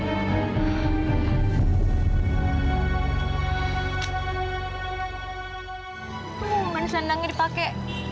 kenapa yang manis lenangnya dipake